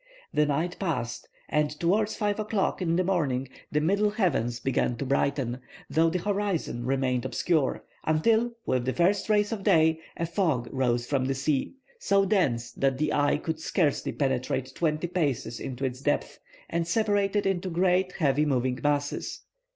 The night passed; and towards 5 o'clock in the morning the middle heavens began to brighten, though the horizon remained obscure; until with the first rays of day, a fog rose from the sea, so dense that the eye could scarcely penetrate twenty paces into its depths, and separated into great, heavy moving masses.